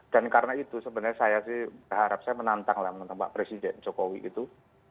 dan karena itu sebenarnya saya sih harap saya menantang lah mbak presiden jokowi itu